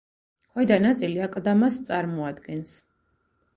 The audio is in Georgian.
ქვედა ნაწილი აკლდამას წარმოადგენს.